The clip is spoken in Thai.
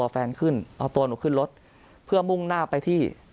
เพื่อมุ่งหน้าไปที่